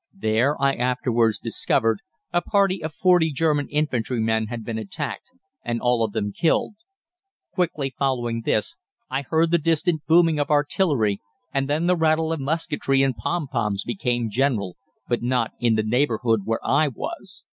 There, I afterwards discovered, a party of forty German infantrymen had been attacked, and all of them killed. Quickly following this, I heard the distant booming of artillery, and then the rattle of musketry and pom poms became general, but not in the neighbourhood where I was.